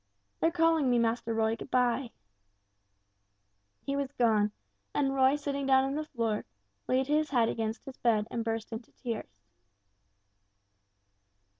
"They're calling me, Master Roy, good bye." He was gone, and Roy sitting down on the floor, leaned his head against his bed and burst into tears.